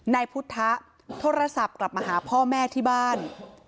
นายพุทธะโทรศัพท์กลับมาหาพ่อแม่ที่บ้าน